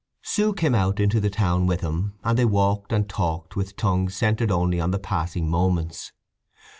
Sue came out into the town with him, and they walked and talked with tongues centred only on the passing moments.